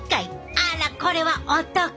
あらこれはお得！